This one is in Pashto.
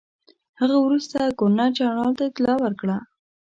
هغه وروسته ګورنرجنرال ته اطلاع ورکړه.